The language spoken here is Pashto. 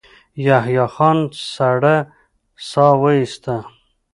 يحيی خان سړه سا وايسته.